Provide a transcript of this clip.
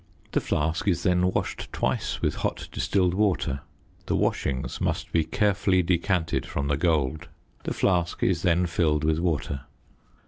The flask is then washed twice with hot distilled water; the washings must be carefully decanted from the gold. The flask is then filled with water.